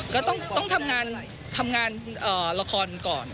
ก็ต้องทำงานทำงานละครก่อน